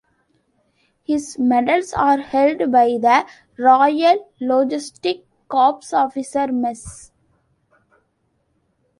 His medals are held by the Royal Logistic Corps Officers Mess.